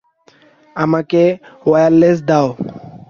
আমাকে ওয়্যারলেস দাও!